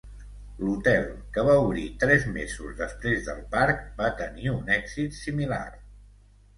L'hotel, que va obrir tres mesos després del parc, va tenir un èxit similar.